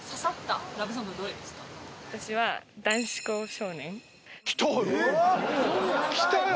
私はきたよ。